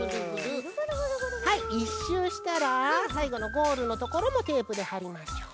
はい１しゅうしたらさいごのゴールのところもテープではりましょう。